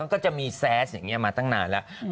ก็จะมีแซสอย่างนี้มาตั้งนานแล้ว